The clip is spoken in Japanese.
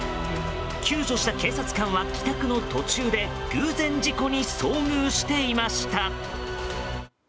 救助した警察官は帰宅の途中で偶然、事故に遭遇していました。